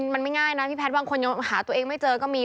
มันไม่ง่ายนะพี่แพทย์บางคนยังหาตัวเองไม่เจอก็มี